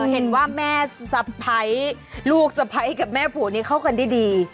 เห็นว่าลูกไสภัยกับแม่ผู้เนี่ยเข้ากันดี